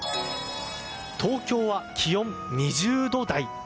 東京は気温２０度台。